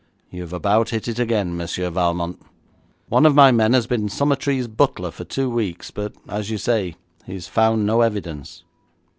'You've about hit it again, Monsieur Valmont. One of my men has been Summertrees' butler for two weeks, but, as you say, he has found no evidence.'